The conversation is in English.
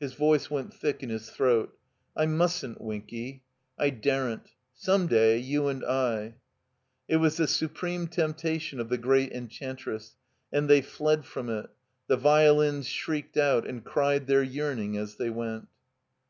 His voice went thick in his throat. I mtistn't, Winky. I daren't. Some day — ^you and I—" It was the supreme temptation of the great Enchantress; and they fled from it. The violins shrieked out and cried their yearning as they went.